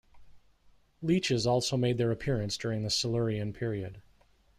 Leeches also made their appearance during the Silurian Period.